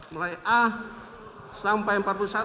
mulai a sampai empat puluh satu